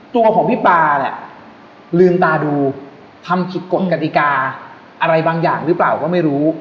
ตัวของพี่ปลาเนี่ยลืมตาดูทำผิดกฎกติกาอะไรบางอย่างหรือเปล่าก็ไม่รู้